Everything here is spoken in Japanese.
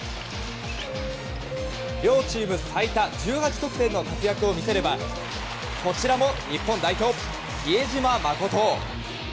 両チーム最多１８得点の活躍を見せればこちらも日本代表、比江島慎。